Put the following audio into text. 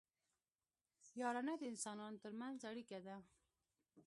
یارانه د انسانانو ترمنځ اړیکه ده